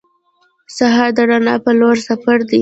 سهار د رڼا په لور سفر دی.